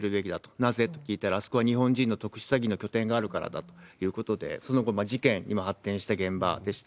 なぜ？と聞いたら、あそこは日本人の特殊詐欺の拠点があるからだということで、その後、事件にも発展した現場でした。